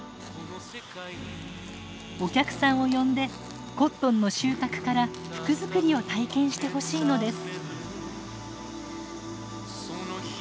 お客さんを呼んでコットンの収穫から服作りを体験してほしいのです。